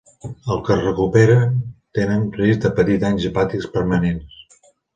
Els que es recuperen tenen risc de patir danys hepàtics permanents.